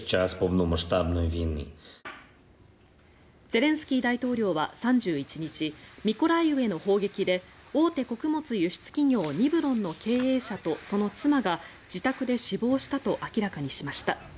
ゼレンスキー大統領は３１日ミコライウへの砲撃で大手穀物輸出企業ニブロンの経営者とその妻が自宅で死亡したと明らかにしました。